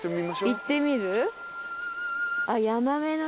行ってみる？